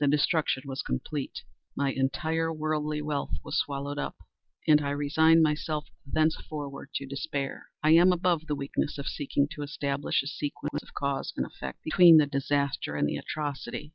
The destruction was complete. My entire worldly wealth was swallowed up, and I resigned myself thenceforward to despair. I am above the weakness of seeking to establish a sequence of cause and effect, between the disaster and the atrocity.